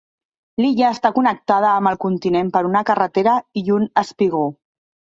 L'illa està connectada amb el continent per una carretera i un espigó.